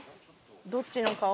どっちの顔？